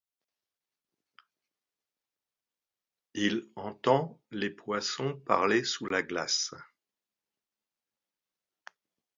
Il entend les poissons parler sous la glace.